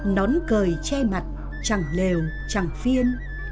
nón cười che mặt chẳng lều chẳng phiên